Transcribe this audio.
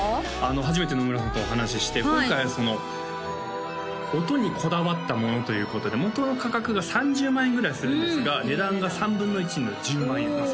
初めて野村さんとお話しして今回その音にこだわったものということでもとの価格が３０万円ぐらいするんですが値段が３分の１の１０万円まあ